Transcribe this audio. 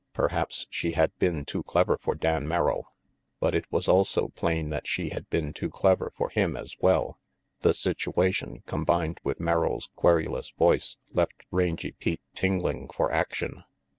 Perhaps she had been too clever for Dan Merrill, but it was also plain that she had been too clever for him as well. The situation, combined with Merrill's querulous voice, left Rangy Pete tingling for action.